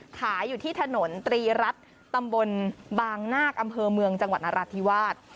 ขายอยู่ที่ถนนตรีรัฐตำบลบางนาคอำเภอเมืองจังหวัดนราธิวาส